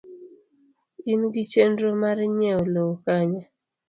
In gi chenro mar nyieo lowo Kanye?